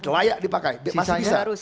layak dipakai masih bisa